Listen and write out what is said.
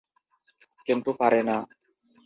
কিন্তু পারে না।